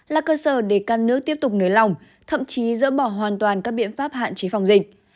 là cơ sở để các nước tiếp tục nới lỏng thậm chí dỡ bỏ hoàn toàn các biện pháp hạn chế phòng dịch